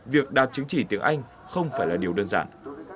việc đạt chứng chỉ tiếng anh không phải là điều đơn giản